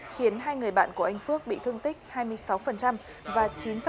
khiến hai người bạn của anh phước bị thương tích hai mươi sáu và chín